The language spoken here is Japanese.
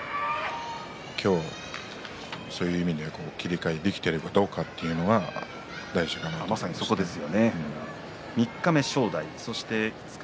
今日もそういう意味で切り替えてきているかどうかというのは大事かなと思います。